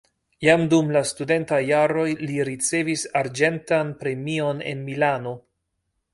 Jam dum la studentaj jaroj li ricevis arĝentan premion en Milano.